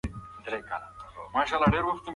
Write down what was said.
ځینې شاعران په خپلو شعرونو کې له اوښانو یادونه کوي.